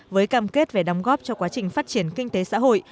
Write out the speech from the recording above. với cam kết về đóng góp cho quá trình phát triển kinh tế xã hội